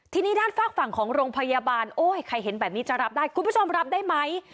ทีนี้ด้านฝากฝั่งของโรงพยาบาลโอ้ยใครเห็นแบบนี้จะรับได้คุณผู้ชมรับได้ไหม